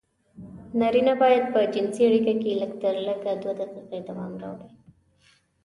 نارينه بايد په جنسي اړيکه کې لږترلږه دوې دقيقې دوام راوړي.